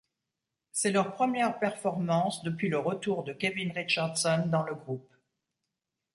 C'est leur première performance depuis le retour de Kevin Richardson dans le groupe.